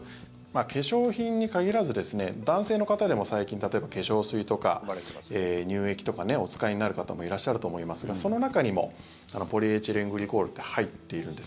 化粧品に限らず男性の方でも最近、例えば化粧水とか乳液とかお使いになる方もいらっしゃると思いますがその中にもポリエチレングリコールって入っているんです。